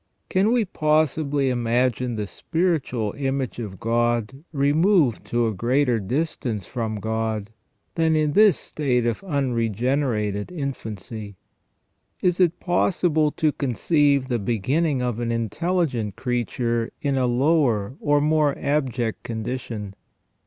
Can we possibly imagine the spiritual image of God removed to a greater distance from God than in this state of unregenerated infancy ? Is it possible to conceive the beginning of an intelligent creature in a lower or more abject condition